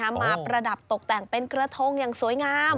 หลากหลายชนิดเลยนะครับมาประดับตกแต่งเป็นเกลื้อทงอย่างสวยงาม